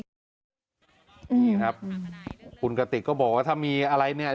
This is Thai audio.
นี่ครับคุณกติกก็บอกว่าถ้ามีอะไรเนี่ย